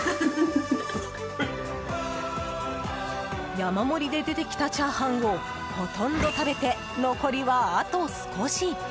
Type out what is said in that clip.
山盛りで出てきたチャーハンをほとんど食べて残りはあと少し。